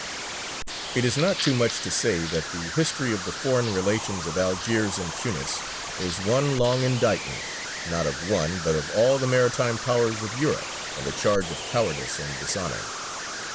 It is not too much to say that the history of the foreign relations of Algiers and Tunis is one long indictment, not of one, but of all the maritime Powers of Europe, on the charge of cowardice and dishonour.